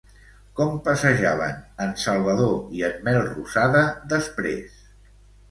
Com passejaven en Salvador i en Melrosada després?